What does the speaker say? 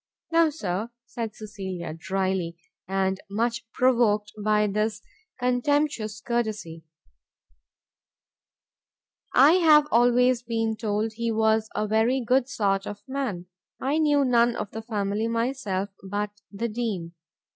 "No, Sir," said Cecilia, drily, and much provoked by this contemptuous courtesy. "I have always been told he was a very good sort of man: I knew none of the family myself, but the Dean.